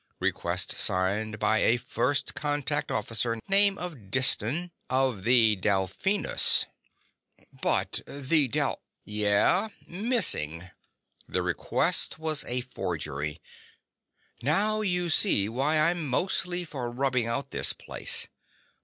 Request signed by a First Contact officer name of Diston ... of the Delphinus!" "But the Del—" "Yeah. Missing. The request was a forgery. Now you see why I'm mostly for rubbing out this place.